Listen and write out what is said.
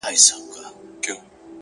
دوه زړونه د يوې ستنې له تاره راوتلي _